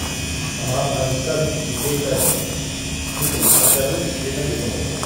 Amɣaṛ ma wesser, yezga yettader; mi ilheq asawen, din ad immuɣben.